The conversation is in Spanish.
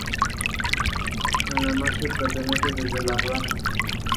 En la noche parte desde la Aduana.